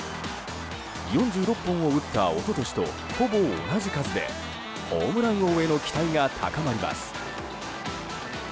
４６本を打った一昨年とほぼ同じ数でホームラン王への期待が高まります。